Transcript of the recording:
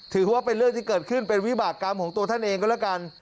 ถือว่าเป็นเรื่องที่เกิดขึ้นเป็นวิบากรรมของตัวท่านเองก็แล้วกัน